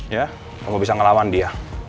ya kamu bisa ngelawan dia